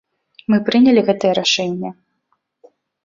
Мы прынялі гэтае рашэнне.